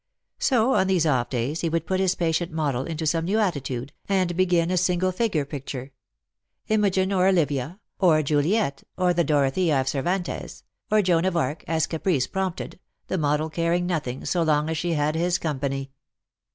So on these off days he would put his patient model into some new attitude, and begin a single figure picture — Imogen, or Olivia, or Juliet, or the Dorothea of Cervantes, or Joan of Arc, as caprice prompted, the model caring nothing, so long as she had his company.